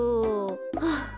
はあ。